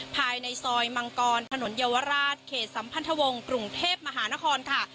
ภายในซอยมังกรถนนเยาวราชเขตสัมพันธวงศ์กรุงเทพมหานครค่ะ